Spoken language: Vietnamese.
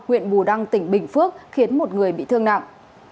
huyện bù đăng tỉnh bình phước khiến một người bị thương nặng